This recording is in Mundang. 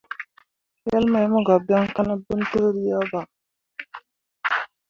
Wel mai mo tə ga byaŋ ka ne bentǝǝri ya ɓa.